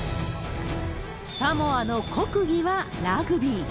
サモアの国技はラグビー。